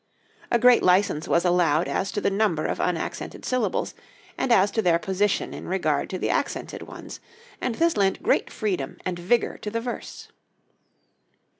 A great license was allowed as to the number of unaccented syllables, and as to their position in regard to the accented ones; and this lent great freedom and vigor to the verse.